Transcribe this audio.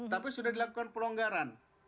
tapi sudah dilakukan pelonggaran